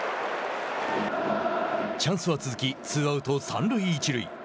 チャンスは続きツーアウト、三塁一塁。